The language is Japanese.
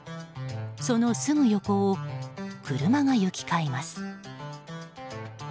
そのすぐ横を車が行き交います。